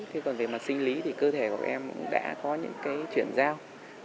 thế còn về mặt sinh lý thì cơ thể của các em đã có những cái chuyển giao